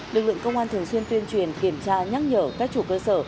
lực lượng công an thường xuyên tuyên truyền kiểm tra nhắc nhở các chủ cơ sở